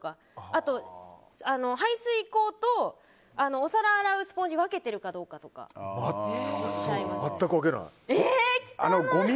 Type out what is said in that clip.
あと排水口とお皿洗うスポンジを分けているかどうかとか見ちゃいますね。